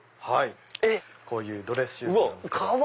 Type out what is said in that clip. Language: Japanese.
こういうドレスシューズなんですけど。